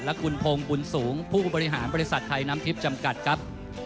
และคุณพงศ์บุญสูงผู้บริหารบริษัทไทยน้ำทิพย์จำกัดครับ